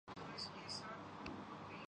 غربت کدے میں کس سے تری گفتگو کریں